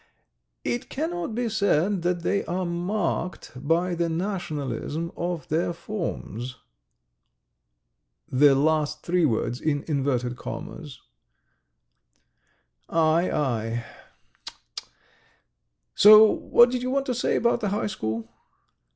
. it cannot be said that they are marked by the nationalism of their forms ... the last three words in inverted commas. ... Aie, aie ... tut, tut ... so what did you want to say about the high school?"